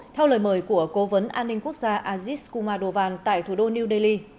theo lời mời của cố vấn an ninh quốc gia azis kumadovan tại thủ đô new delhi